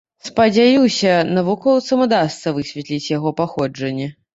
Спадзяюся, навукоўцам удасца высветліць яго паходжанне.